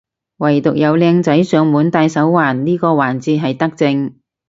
惟獨有靚仔上門戴手環呢個環節係德政